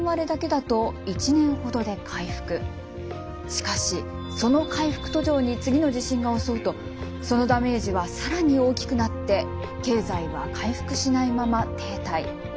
しかしその回復途上に次の地震が襲うとそのダメージは更に大きくなって経済は回復しないまま停滞。